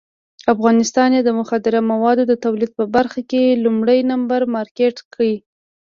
افغانستان یې د مخدره موادو د تولید په برخه کې لومړی نمبر مارکېټ کړی.